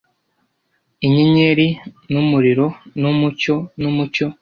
inyenyeri n'umuriro n'umucyo n'umucyo